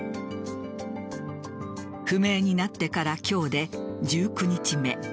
不明になってから今日で１９日目。